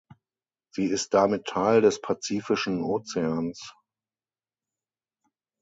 Sie ist damit Teil des Pazifischen Ozeans.